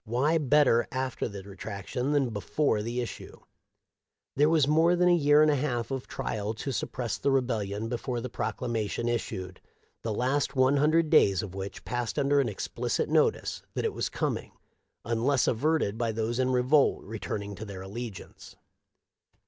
" Why better after the retraction than before the issue ?" There was more than a year and a half of trial to suppress the rebellion before the proclamation issued, the last one hundred days of which passed under an explicit notice that it was coming, un less averted by those in revolt returning to their allegiance.